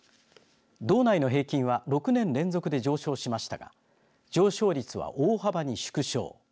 道内の平均は６年連続で上昇しましたが、上昇率は大幅に縮小。